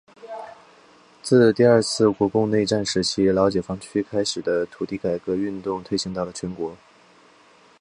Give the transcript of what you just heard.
自第二次国共内战时期老解放区开始的土地改革运动推行到全国。